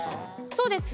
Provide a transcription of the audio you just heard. そうです！